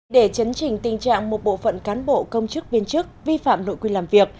để chấn trình tình trạng một bộ phận cán bộ công chức viên chức vi phạm nội quy làm việc